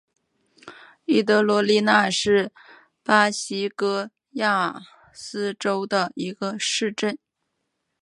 伊德罗利纳是巴西戈亚斯州的一个市镇。